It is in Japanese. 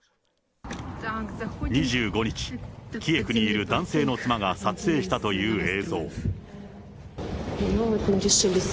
２５日、キエフにいる男性の妻が撮影したという映像。